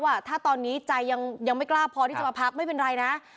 ว่าถ้าตอนนี้ใจยังไม่กล้าพอที่จะมาพักไม่เป็นไรนะ